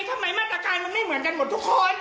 ทำไมมาตรการมันไม่เหมือนกันหมดทุกคน